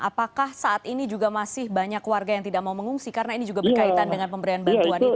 apakah saat ini juga masih banyak warga yang tidak mau mengungsi karena ini juga berkaitan dengan pemberian bantuan itu